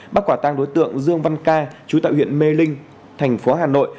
bắt quả tang đối tượng dương văn cai chú tạo huyện mê linh thành phố hà nội